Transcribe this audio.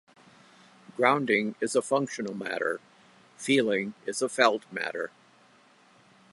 Grounding is a functional matter; feeling is a felt matter.